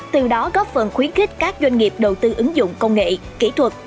từ đó góp phần khuyến khích các doanh nghiệp đầu tư ứng dụng công nghệ kỹ thuật